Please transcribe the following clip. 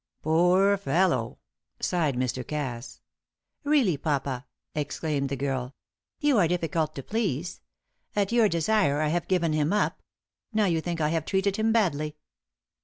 "Poor fellow," sighed Mr. Cass! "Really, papa," exclaimed the girl, "you are difficult to please. At your desire I have given him up: now you think I have treated him badly."